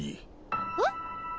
えっ？